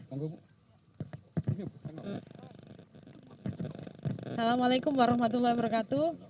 assalamu'alaikum warahmatullahi wabarakatuh